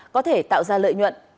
có thể tạo ra lợi nhuận